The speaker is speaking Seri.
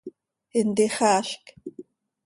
¿Intixaazc?